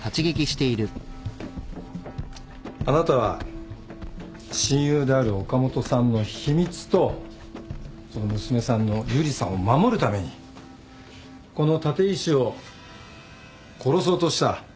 あなたは親友である岡本さんの秘密とその娘さんの由梨さんを守るためにこの立石を殺そうとした。